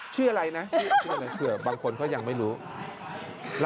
ไม่รู้ว่าตอนนี้เนย